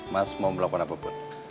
mas mau berlakon apa pun